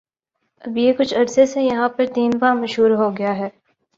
اب یہ کچھ عرصے سے یہاں پہ تیندوا مشہور ہوگیاہے